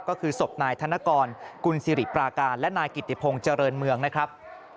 ก็คือศพนายธนกรกุลศิริปราการและนายกิติพงศ์เจริญเมืองนะครับ